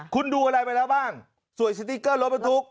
คุณดูอะไรไปแล้วบ้างสวยสติ๊กเกอร์รถบรรทุก